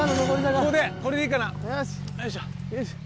ここでこれでいいかな？